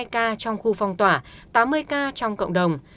hai trăm linh hai ca trong khu phong tỏa tám mươi ca trong cộng đồng